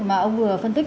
mà ông vừa phân tích